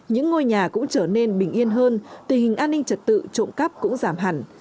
những ngôi nhà cũng trở nên bình yên hơn tình hình an ninh trật tự trộm cắp cũng giảm hẳn